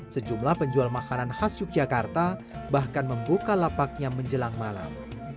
sejumlah penjual makanan khas yogyakarta bahkan membuka lapaknya menjelang malam